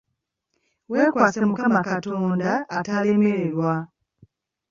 Wekwase Mukama Katonda atalemererwa